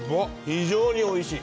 非常においしい！